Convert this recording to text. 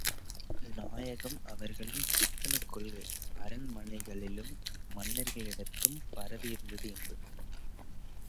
நாயகம் அவர்களின் சிக்கனக் கொள்கை, அரண்மனைகளிலும் மன்னர்களிடத்தும் பரவியிருந்தது என்பது!